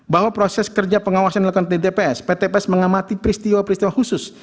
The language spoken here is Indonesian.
bahwa proses kerja pengawasan dilakukan di tps pt ps mengamati peristiwa peristiwa khusus